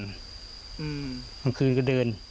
กลางคืนก็เดิน